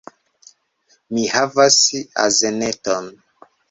Mi havas azeneton